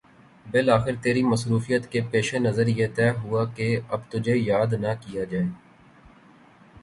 بالآخر تیری مصروفیت کے پیش نظریہ تہہ ہوا کے اب تجھے یاد نہ کیا جائے